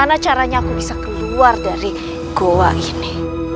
bagaimana caranya aku bisa keluar dari goa ini